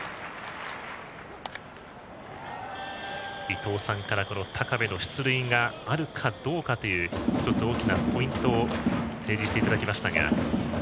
伊東さんから高部の出塁があるかどうかという１つ、大きなポイントを提示していただきましたが。